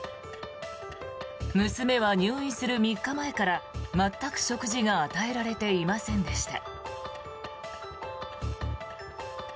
娘は入院する３日前から全く食事が与えられていませんでした。